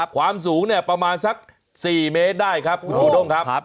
ความสูงประมาณสัก๔เมตรได้ครับคุณจูด้งครับ